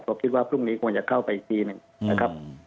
ผมคิดว่าพรุ่งนี้ควรจะเข้าไปอีกทีหนึ่งนะครับ